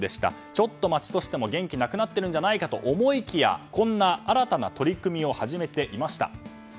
ちょっと町としても元気がなくなってるんじゃないかと思いきやこんな新たな取り組みを始めていました。